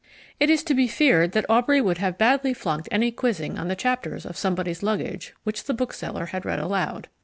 It is to be feared that Aubrey would have badly flunked any quizzing on the chapters of Somebody's Luggage which the bookseller had read aloud.